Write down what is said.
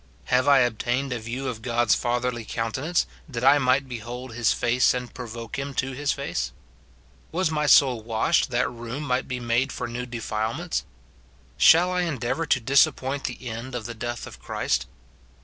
Have I obtained a view of God's fatherly countenance, that I might behold his face and provoke him to his face ? Was my soul washed, that room might be made for new defilements ? Shall I endeavour to dis appoint the end of the death of Christ